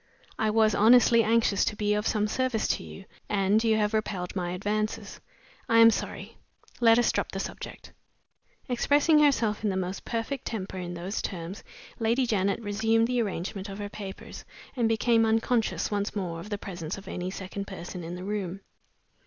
I was honestly anxious to be of some service to you, and you have repelled my advances. I am sorry. Let us drop the subject." Expressing herself in the most perfect temper in those terms, Lady Janet resumed the arrangement of her papers, and became unconscious once more of the presence of any second person in the room.